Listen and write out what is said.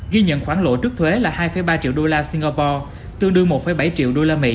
ghi nhận khoản lỗ trước thuế là hai ba triệu đô la singapore